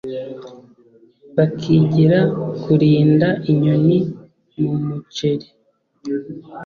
bakigira kurinda inyoni mu muceri